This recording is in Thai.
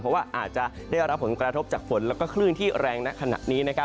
เพราะว่าอาจจะได้รับผลกระทบจากฝนและคลื่นที่แรงในขณะนี้